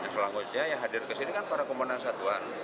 selangutnya yang hadir ke sini kan para komandan satuan